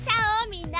みんな。